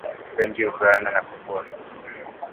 wengi huzaana na kukua